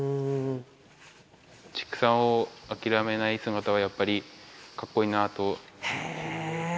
畜産を諦めない姿はやっぱりかっこいいなと。